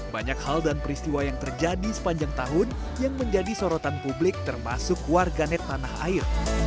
banyak hal dan peristiwa yang terjadi sepanjang tahun yang menjadi sorotan publik termasuk warganet tanah air